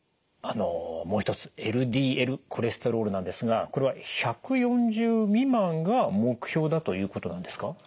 あのもう一つＬＤＬコレステロールなんですがこれは１４０未満が目標だということなんですか？